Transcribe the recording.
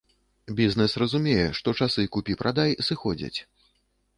Бізнэс разумее, што часы купі-прадай сыходзяць.